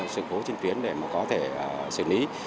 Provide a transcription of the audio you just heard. sự phố trên tuyến để có thể xử lý